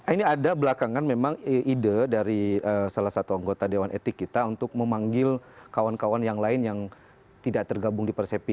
ini ada belakangan memang ide dari salah satu anggota dewan etik kita untuk memanggil kawan kawan yang lain yang tidak tergabung di persepi